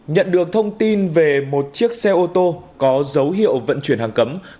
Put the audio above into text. nhận được thông tin về một chiếc xe ô tô có dấu hiệu vận chuyển hàng cấm